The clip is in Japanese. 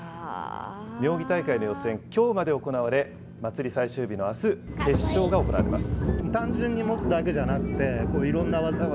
妙技大会の予選、きょうまで行われ、祭り最終日のあす、決勝が行われます。